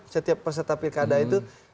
setiap peserta pilkada itu